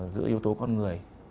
giữa yếu tố con người